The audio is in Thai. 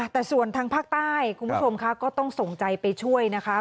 แต่ส่วนทางภาคใต้คุณผู้ชมค่ะก็ต้องส่งใจไปช่วยนะคะ